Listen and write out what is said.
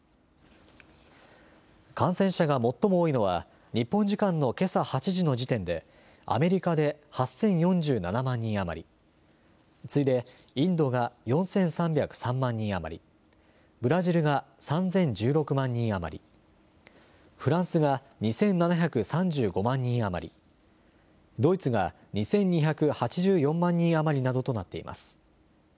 感染者が最も多いのは日本時間のけさ８時の時点でアメリカで８０４７万人余り、次いでインドが４３０３万人余り、ブラジルが３０１６万人余り、フランスが２７３５万人余り、ドイツが２２８４万人余りなどとなっています。